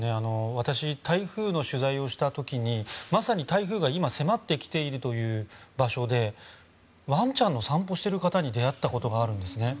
私、台風の取材をした時にまさに台風が今迫ってきているという場所でわんちゃんの散歩をしている方に出会ったことがあるんですね。